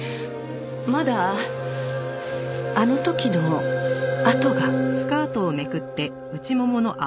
まだあの時の痕が。